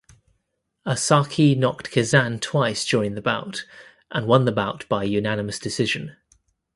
Osaki knocked Kazane twice during the bout and won the bout by unanimous decision.